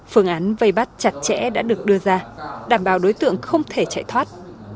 phương án vây bắt chặt chẽ đã được đưa ra đảm bảo đối tượng không thể chạy thoát